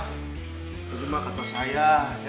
terima kasih saya